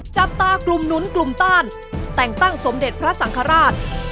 จับตากลุ่มหนุนกลุ่มต้านแต่งตั้งสมเด็จพระสังฆราช